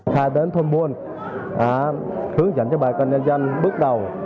khai đến thôn buôn hướng dẫn cho bà con nhân dân bước đầu